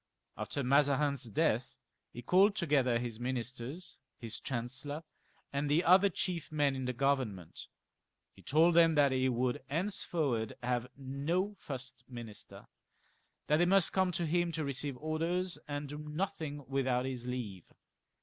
After Mazarin's death he called together his ministers, his chancellor,. and the other chief men in the Government. He told them that he would henceforward have no first minister, that they must come to him to receive orders, and do nothing without his leave.